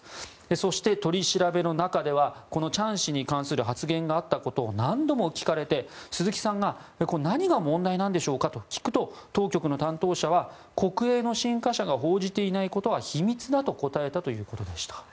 そして、取り調べの中ではこのチャン氏に関する発言があったことを何度も聞かれて、鈴木さんがこれは何が問題なんでしょうかと聞くと、当局の担当者は国営の新華社が報じていないことは秘密だと答えたということでした。